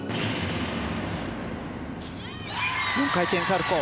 ４回転サルコウ。